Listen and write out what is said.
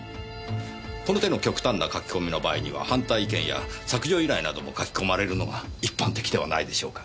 この手の極端な書き込みの場合には反対意見や削除依頼なども書き込まれるのが一般的ではないでしょうか？